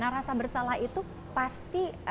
rasa bersalah itu pasti